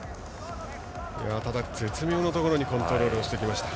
ただ絶妙なところにコントロールしました。